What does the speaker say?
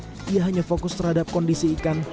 mereka berusaha untuk mencari kontes terhadap kondisi ikan